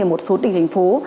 ở một số tỉnh thành phố